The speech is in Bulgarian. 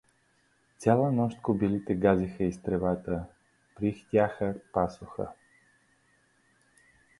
Цяла нощ кобилите газиха из тревата, прьхтяха, пасоха.